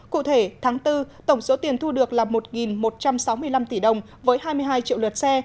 cụ thể tháng bốn tổng số tiền thu được là một một trăm sáu mươi năm tỷ đồng với hai mươi hai triệu lượt xe